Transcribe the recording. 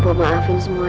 tahan teh saya